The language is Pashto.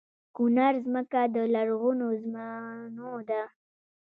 کونړ ځمکه د لرغونو زمانو ده